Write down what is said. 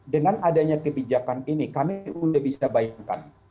dengan adanya kebijakan ini kami sudah bisa bayangkan